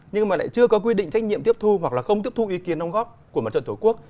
nhưng mà lại chưa có quy định trách nhiệm tiếp thu hoặc là không tiếp thu ý kiến nông góp của mặt trận tổ quốc